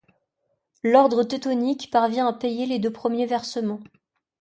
L'ordre Teutonique parvient à payer les deux premiers versements.